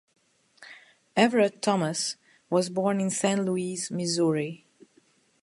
Everett Thomas was born in Saint Louis, Missouri.